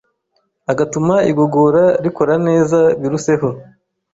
ugatuma igogora rikora neza biruseho,